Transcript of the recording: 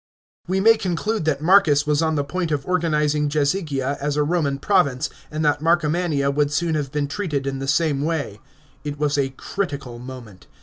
We may conclude that Marcus J80 A.D. DEATH OF MARCUS. 54:9 was on the point of organising Jazygia as a Koman province, and that Marcomannia would soon have been treated in the same way. It was a critical moment.